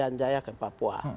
ini elijah rodrigues ke papua